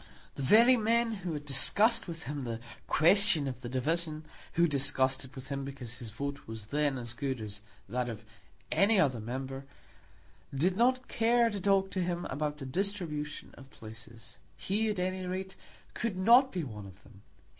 The very men who had discussed with him the question of the division, who had discussed it with him because his vote was then as good as that of any other member, did not care to talk to him about the distribution of places. He, at any rate, could not be one of them.